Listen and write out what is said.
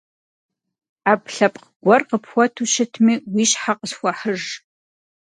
Ӏэпкълъэпкъ гуэр къыпхуэту щытми уи щхьэ къысхуэхьыж.